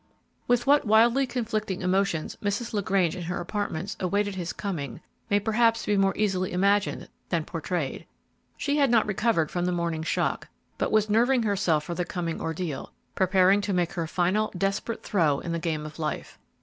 With what wildly conflicting emotions Mrs. LaGrange in her apartments awaited his coming may perhaps be more easily imagined than portrayed. She had not recovered from the morning's shock, but was nerving herself for the coming ordeal; preparing to make her final, desperate throw in the game of life.